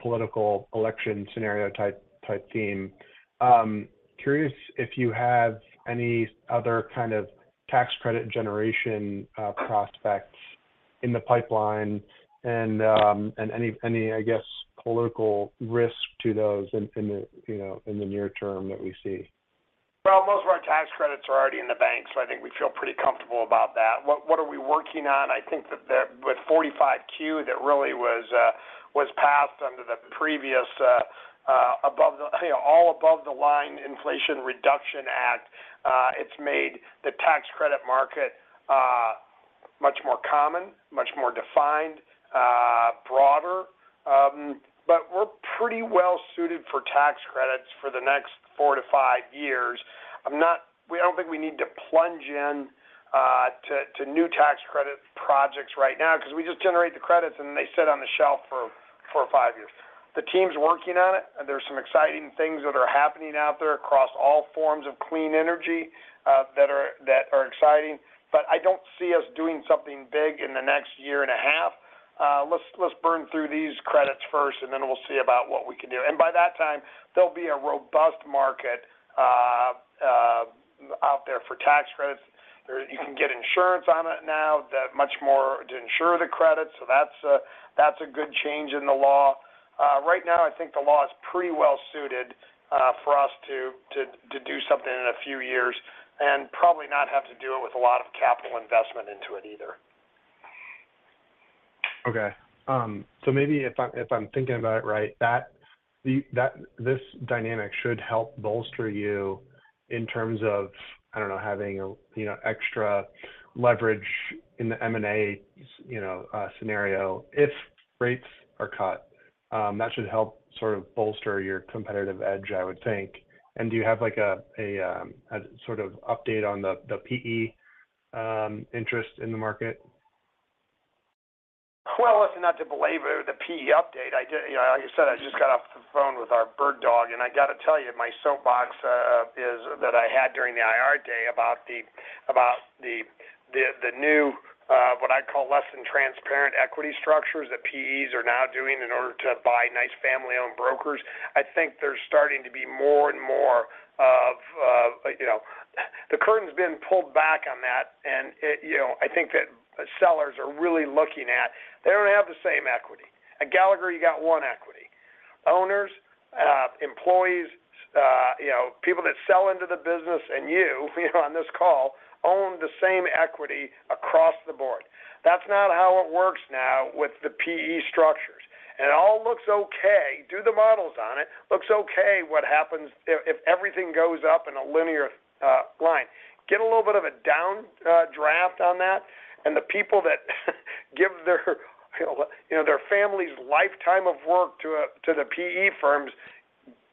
political election scenario type theme. Curious if you have any other kind of tax credit generation prospects in the pipeline and any, I guess, political risk to those in the near term that we see? Well, most of our tax credits are already in the bank, so I think we feel pretty comfortable about that. What are we working on? I think that with 45Q, that really was passed under the previous. You know, all above the line Inflation Reduction Act, it's made the tax credit market much more common, much more defined, broader. But we're pretty well suited for tax credits for the next 4 to 5 years. I'm not. We don't think we need to plunge in to new tax credit projects right now, 'cause we just generate the credits, and they sit on the shelf for 4 or 5 years. The team's working on it, and there are some exciting things that are happening out there across all forms of clean energy that are exciting, but I don't see us doing something big in the next year and a half. Let's burn through these credits first, and then we'll see about what we can do. By that time, there'll be a robust market out there for tax credits. You can get insurance on it now that much more to insure the credits, so that's a good change in the law. Right now, I think the law is pretty well suited for us to do something in a few years and probably not have to do it with a lot of capital investment into it either. Okay. So maybe if I'm thinking about it right, that this dynamic should help bolster you in terms of, I don't know, having a, you know, extra leverage in the M&A, you know, scenario. If rates are cut, that should help sort of bolster your competitive edge, I would think. And do you have, like, a sort of update on the PE interest in the market? Well, listen, not to belabor the PE update. You know, like I said, I just got off the phone with our bird dog, and I got to tell you, my soapbox is that I had during the IR Day about the new what I call less than transparent equity structures that PEs are now doing in order to buy nice family-owned brokers. I think there's starting to be more and more of, you know. The curtain's been pulled back on that, and, you know, I think that sellers are really looking at, they don't have the same equity. At Gallagher, you got one equity: owners, employees, you know, people that sell into the business, and you know, on this call, own the same equity across the board. That's not how it works now with the PE structures. It all looks okay. Do the models on it. Looks okay, what happens if everything goes up in a linear line. Get a little bit of a downdraft on that, and the people that give their, you know, their family's lifetime of work to the PE firms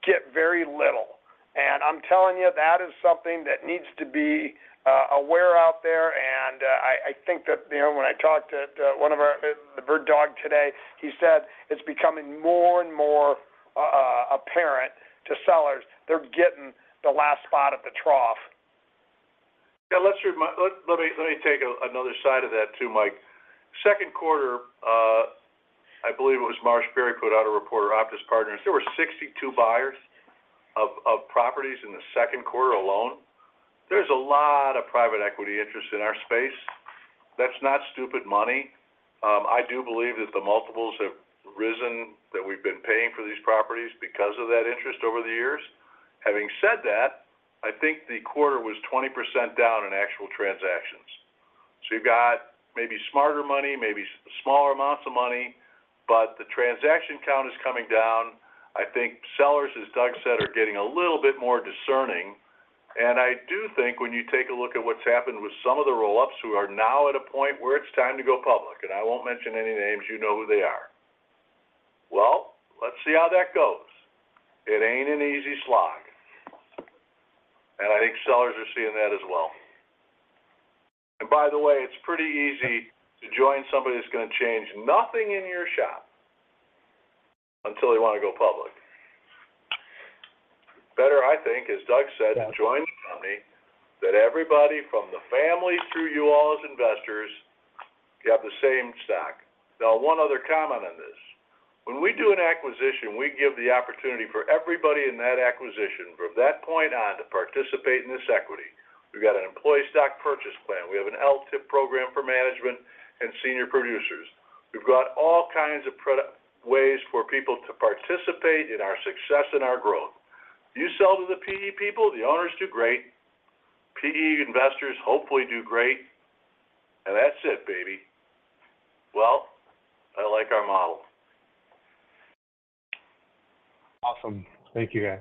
get very little. And I'm telling you, that is something that needs to be made aware out there, and I think that, you know, when I talked to one of our bird dogs today, he said it's becoming more and more apparent to sellers they're getting the last spot at the trough. Yeah, let me take another side of that too, Mike. Second quarter, I believe it was MarshBerry put out a report, OPTIS Partners. There were 62 buyers of properties in the second quarter alone. There's a lot of private equity interest in our space. That's not stupid money. I do believe that the multiples have risen, that we've been paying for these properties because of that interest over the years. Having said that, I think the quarter was 20% down in actual transactions. So you've got maybe smarter money, maybe smaller amounts of money, but the transaction count is coming down. I think sellers, as Doug said, are getting a little bit more discerning, and I do think when you take a look at what's happened with some of the roll-ups, who are now at a point where it's time to go public, and I won't mention any names, you know who they are. Well, let's see how that goes. It ain't an easy slog, and I think sellers are seeing that as well. And by the way, it's pretty easy to join somebody that's gonna change nothing in your shop until they want to go public. Better, I think, as Doug said, and join a company that everybody from the families to you all as investors, you have the same stock. Now, one other comment on this. When we do an acquisition, we give the opportunity for everybody in that acquisition from that point on, to participate in this equity. We've got an employee stock purchase plan. We have an LTIP program for management and senior producers. We've got all kinds of product ways for people to participate in our success and our growth. You sell to the PE people, the owners do great. PE investors hopefully do great, and that's it, baby. Well, I like our model. Awesome. Thank you, guys.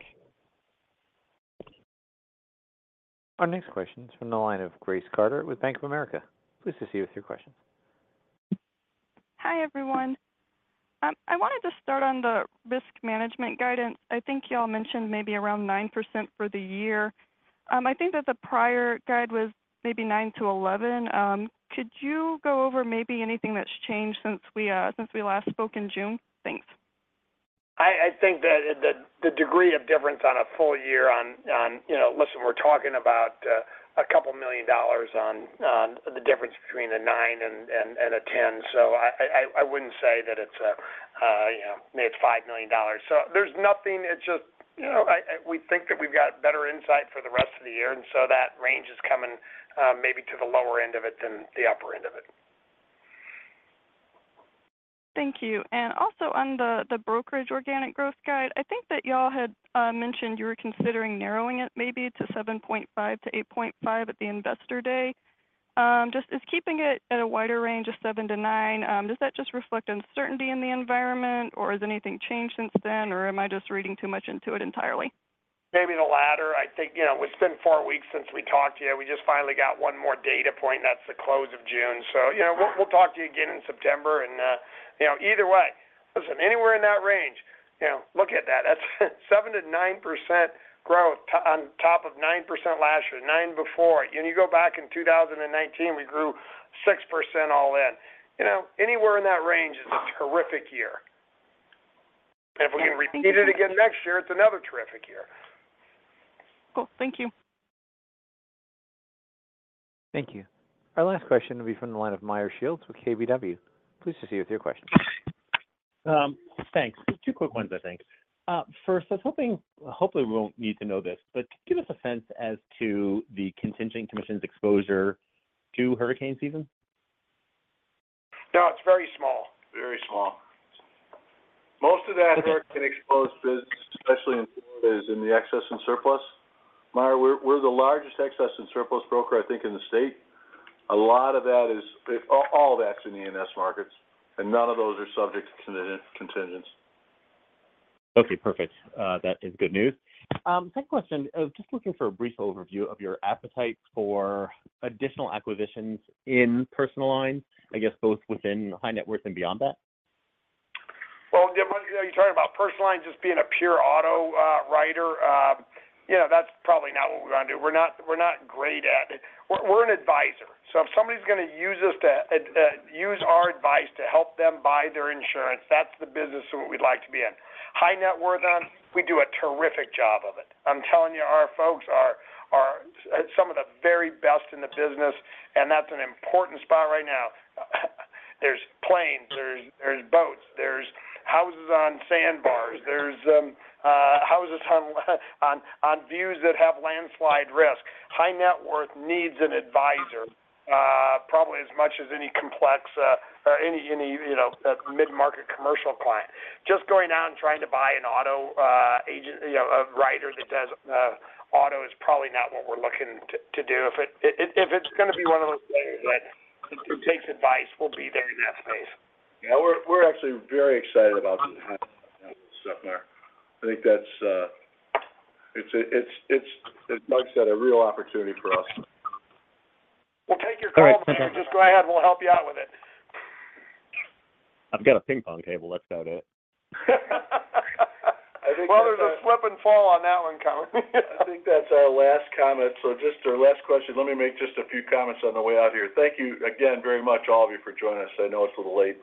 Our next question is from the line of Grace Carter with Bank of America. Please proceed with your question. Hi, everyone. I wanted to start on the Risk Management guidance. I think you all mentioned maybe around 9% for the year. I think that the prior guide was maybe 9%-11%. Could you go over maybe anything that's changed since we last spoke in June? Thanks. I think that the degree of difference on a full year on. You know, listen, we're talking about a couple million dollars on the difference between a nine and a ten. So I wouldn't say that it's a, you know, maybe it's $5 million. So there's nothing. It's just, you know, we think that we've got better insight for the rest of the year, and so that range is coming, maybe to the lower end of it than the upper end of it. Thank you. And also on the Brokerage organic growth guide, I think that you all had mentioned you were considering narrowing it maybe to 7.5%-8.5% at the Investor Day. Just, is keeping it at a wider range of 7%-9%, does that just reflect uncertainty in the environment, or has anything changed since then, or am I just reading too much into it entirely? Maybe the latter. I think, you know, it's been 4 weeks since we talked to you. We just finally got one more data point, and that's the close of June. So, you know, we'll talk to you again in September, and, you know, either way, listen, anywhere in that range, you know, look at that. That's 7%-9% growth on top of 9% last year, 9% before. You go back in 2019, we grew 6% all in. You know, anywhere in that range is a terrific year. Yeah. Thank you. If we can repeat it again next year, it's another terrific year. Cool. Thank you. Thank you. Our last question will be from the line of Meyer Shields with KBW. Please proceed with your question. Thanks. Just two quick ones, I think. First, I was hoping, hopefully we won't need to know this, but give us a sense as to the contingent commissions exposure to hurricane season. No, it's very small. Very small. Most of that hurricane exposed business, especially in, is in the excess and surplus. Meyer, we're the largest excess and surplus broker, I think, in the state. A lot of that is, all that's in the E&S markets, and none of those are subject to contingents. Okay, perfect. That is good news. Second question, I was just looking for a brief overview of your appetite for additional acquisitions in personal lines, I guess, both within high net worth and beyond that. Well, you're talking about personal lines, just being a pure auto writer. You know, that's probably not what we're going to do. We're not, we're not great at it. We're, we're an advisor, so if somebody's gonna use us to use our advice to help them buy their insurance, that's the business that we'd like to be in. High net worth, we do a terrific job of it. I'm telling you, our folks are, are some of the very best in the business, and that's an important spot right now. There's planes, there's boats, there's houses on sandbars, there's houses on views that have landslide risk. High net worth needs an advisor, probably as much as any complex, any, you know, mid-market commercial client. Just going out and trying to buy an auto agent, you know, a writer that does auto is probably not what we're looking to do. If it's gonna be one of those things that takes advice, we'll be there in that space. Yeah, we're actually very excited about the stuff there. I think that's, as Mike said, a real opportunity for us. We'll take your call. Just go ahead, we'll help you out with it. I've got a ping-pong table. Let's start it. Well, there's a slip and fall on that one, Connor. I think that's our last comment. So just our last question, let me make just a few comments on the way out here. Thank you again, very much, all of you, for joining us. I know it's a little late,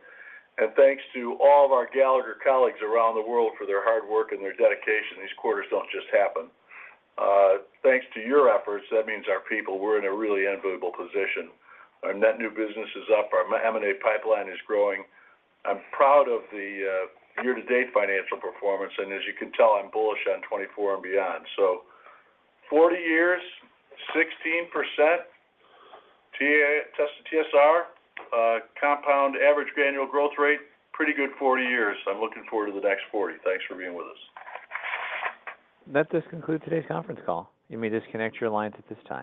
and thanks to all of our Gallagher colleagues around the world for their hard work and their dedication. These quarters don't just happen. Thanks to your efforts, that means our people, we're in a really enviable position. Our net new business is up. Our M&A pipeline is growing. I'm proud of the year-to-date financial performance, and as you can tell, I'm bullish on 2024 and beyond. So 40 years, 16% TSR compound average annual growth rate. Pretty good 40 years. I'm looking forward to the next 40. Thanks for being with us. That does conclude today's conference call. You may disconnect your lines at this time.